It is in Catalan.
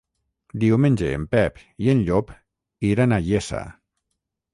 Diumenge en Pep i en Llop iran a la Iessa.